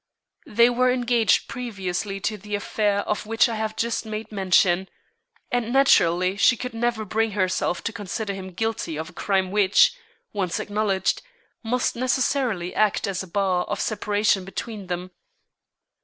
"They were engaged previous to the affair of which I have just made mention, and naturally she could never bring herself to consider him guilty of a crime which, once acknowledged, must necessarily act as a bar of separation between them.